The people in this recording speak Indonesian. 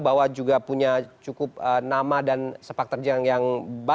bahwa juga punya cukup nama dan sepak terjang yang berbeda